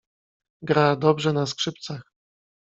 "Gra dobrze na skrzypcach."